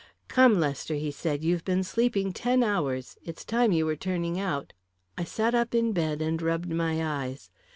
"Come, Lester," he said, "you've been sleeping ten hours. It's time you were turning out." I sat up in bed and rubbed my eyes.